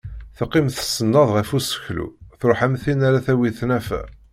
Teqqim tsenned ɣer useklu truḥ am tin ara tawi tnafa.